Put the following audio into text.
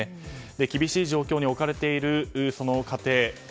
厳しい状況に置かれている家庭。